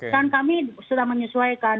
dan kami sudah menyesuaikan